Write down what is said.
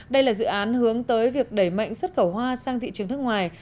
đây là dự án hướng tới việc đẩy mạnh xuất khẩu hoa sang thị trường nước ngoài